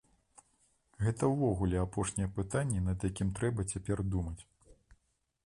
Гэта ўвогуле апошняе пытанне, над якім трэба цяпер думаць.